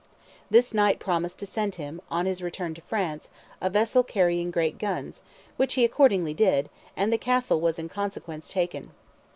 This Knight promised to send him, on his return to France, "a vessel carrying great guns," which he accordingly did, and the Castle was in consequence taken.